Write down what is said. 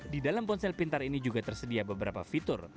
di dalam ponsel pintar ini juga tersedia beberapa fitur